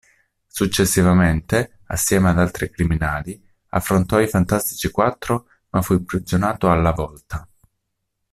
Successivamente, assieme ad altri criminali, affrontò i Fantastici Quattro ma fu imprigionato alla "Volta".